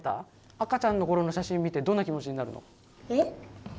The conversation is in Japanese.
赤ちゃんの頃の写真見てどんな気持ちになるの？